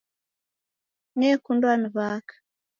Nekundwa ni w'aka